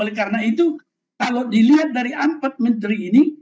oleh karena itu kalau dilihat dari empat menteri ini